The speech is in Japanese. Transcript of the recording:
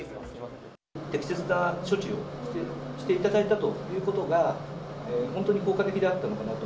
適切な処置をしていただいたということが、本当に効果的であったのかなと。